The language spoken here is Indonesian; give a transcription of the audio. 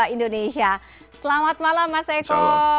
indonesia selamat malam mas eko